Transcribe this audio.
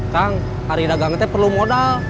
kang hari dagang itu perlu modal